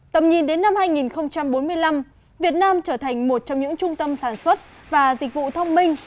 tầm nhìn đến năm hai nghìn bốn mươi năm việt nam trở thành một trong những trung tâm sản xuất và dịch vụ thông minh